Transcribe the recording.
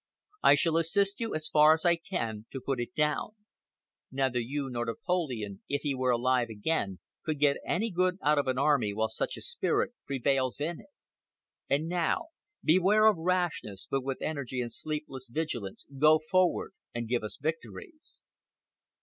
I shall assist you as far as I can, to put it down. Neither you nor Napoleon, if he were alive again, could get any good out of an army while such a spirit prevails in it. And now, beware of rashness. Beware of rashness, but with energy and sleepless vigilance go forward and give us victories."